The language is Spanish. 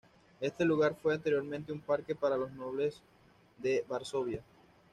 Este lugar fue anteriormente un parque para los nobles de Varsovia.